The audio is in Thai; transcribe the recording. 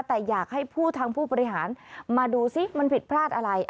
แต่อยากให้ผู้ทางผู้บริหารมาดูสิมันผิดพลาดอะไร